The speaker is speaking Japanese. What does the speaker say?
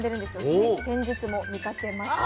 つい先日も見かけました。